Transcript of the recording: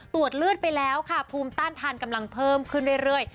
ตรวจเลือดไปแล้วค่ะภูมิต้านทานกำลังเพิ่มขึ้นเรื่อย